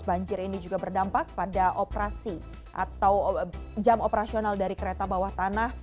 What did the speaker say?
banjir ini juga berdampak pada operasi atau jam operasional dari kereta bawah tanah